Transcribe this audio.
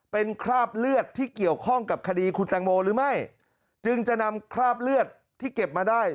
เป็นคราบเลือดที่เกี่ยวข้องกับคดีคุณแตงโมหรือไม่จึงจะนำคราบเลือดที่เก็บมาได้